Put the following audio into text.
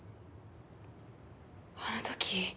あの時。